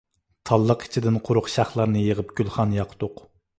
تاللىق ئىچىدىن قۇرۇق شاخلارنى يىغىپ گۈلخان ياقتۇق.